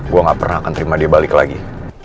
gue gak pernah akan terima dia balik lagi